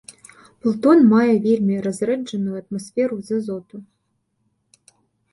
Плутон мае вельмі разрэджаную атмасферу з азоту.